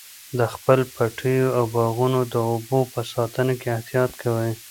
د خپلو پټیو او باغونو د اوبو په ساتنه کې احتیاط کوئ.